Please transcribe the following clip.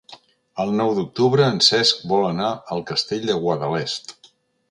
El nou d'octubre en Cesc vol anar al Castell de Guadalest.